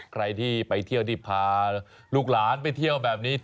ใครที่ไปเที่ยวที่พาลูกหลานไปเที่ยวแบบนี้